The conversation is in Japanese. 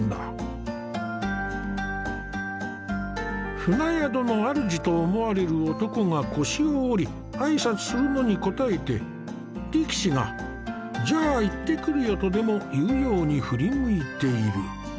船宿の主と思われる男が腰を折り挨拶するのに応えて力士が「じゃあ行ってくるよ」とでも言うように振り向いている。